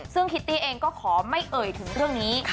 ซึ่งคิตตี้เองก็ขอไม่เอ่ยถึงเรื่องนี้